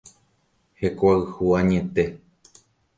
Hekoayhu añete.